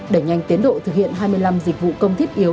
đẩy nhanh tiến độ thực hiện hai mươi năm dịch vụ công thiết yếu